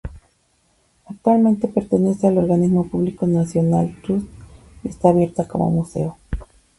Actualmente pertenece al organismo público National Trust y está abierta como museo.